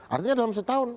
artinya dalam setahun